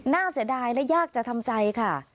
เสียดายและยากจะทำใจค่ะ